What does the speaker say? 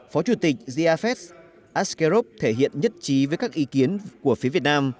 phó chủ tịch ziafet askerop thể hiện nhất trí với các ý kiến của phía việt nam